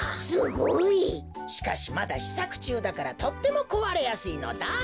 すごい！しかしまだしさくちゅうだからとってもこわれやすいのだ。